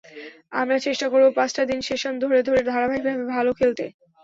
আমরা চেষ্টা করব পাঁচটা দিন সেশন ধরে ধরে ধারাবাহিকভাবে ভালো খেলতে।